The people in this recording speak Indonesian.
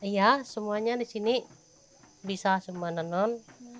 iya semuanya disini bisa semua menenun